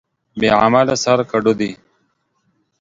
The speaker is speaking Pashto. بې عمله سر کډو دى.